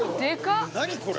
何これ。